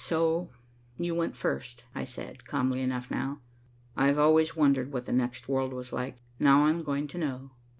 "So you went first," I said, calmly enough now. "I've always wondered what the next world was like. Now, I'm going to know."